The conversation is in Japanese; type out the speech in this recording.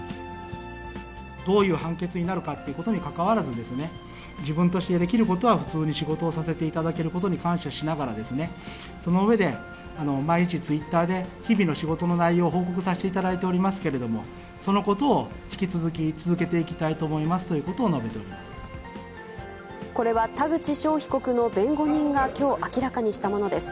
どういう判決になるかっていうことに関わらず、自分としてできることは、普通に仕事をさせていただけることに感謝しながら、その上で、毎日ツイッターで日々の仕事の内容を報告させていただいておりますけれども、そのことを引き続き続けていきたいと思いますということを述べてこれは田口翔被告の弁護人がきょう、明らかにしたものです。